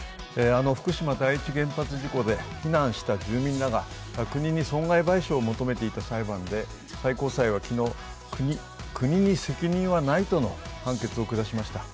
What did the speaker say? あの福島第一原発事故で避難した住民らが国に損害賠償を求めていた裁判で最高裁は昨日、国に責任はないとの判決を下しました。